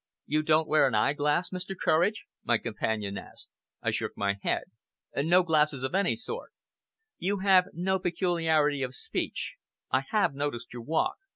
"You don't wear an eyeglass, Mr. Courage?" my companion asked. I shook my head. "No glasses of any sort." "You have no peculiarity of speech? I have noticed your walk.